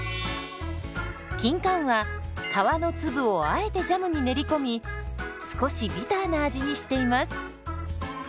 キンカンは皮の粒をあえてジャムに練り込み少しビターな味にしています。